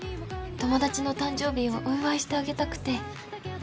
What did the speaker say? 友達の誕生日をお祝いしてあげたくて。